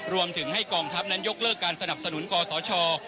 รวมถึงให้กองทัพนั้นยกเลิกการสนับสนุนกศช